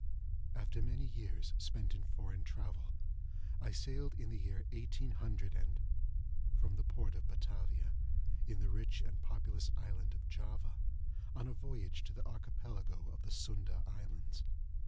After many years spent in foreign travel, I sailed in the year 18— , from the port of Batavia, in the rich and populous island of Java, on a voyage to the Archipelago of the Sunda islands.